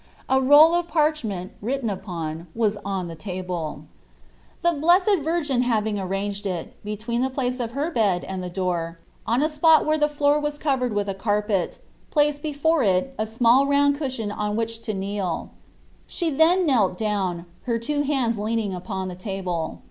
A roll of parch ment, written upon, was on the table. * Her guardian angel. 5esus Christ. 21 The Blessed Virgin having arranged it, between the place of her bed and the door, on a spot where the floor was covered with a carpet, placed before it a small round cushion on which to kneel. She then knelt down, her two hands leaning upon the table.